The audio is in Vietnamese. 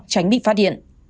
tránh bị phá điện